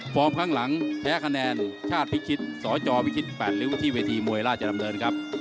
ความข้างหลังแพ้คะแนนชาติภิกฤษสอยจอภิกฤษแปดลิ้วที่เวทีมวยราชดำเนิน